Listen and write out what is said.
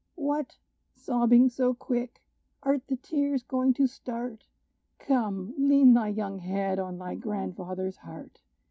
"What! sobbing so quick? are the tears going to start? Come! lean thy young head on thy grandfather's heart!